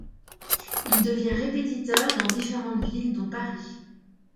Il devient répétiteur dans différentes villes dont Paris.